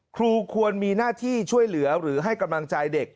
ควรมีหน้าที่ช่วยเหลือหรือให้กำลังใจเด็ก